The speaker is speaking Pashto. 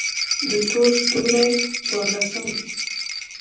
د تور ستوري څوارلسمه: